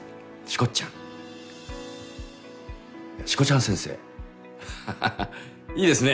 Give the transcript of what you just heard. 「しこちゃん先生